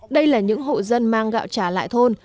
đây là những hộ dân mang gạo trả lại thôn